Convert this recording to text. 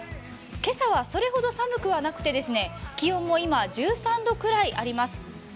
今朝はそれほど寒くはなくて、気温も今、１３度くらいあります。